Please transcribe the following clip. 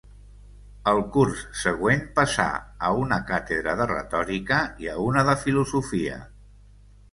El curs següent passà a una càtedra de retòrica i a una de filosofia.